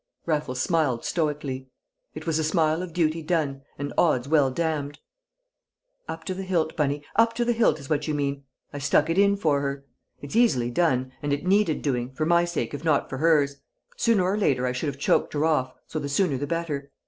Raffles smiled stoically: it was a smile of duty done and odds well damned. "Up to the hilt, Bunny, up to the hilt is what you mean. I stuck it in for her. It's easily done, and it needed doing, for my sake if not for hers. Sooner or later I should have choked her off, so the sooner the better.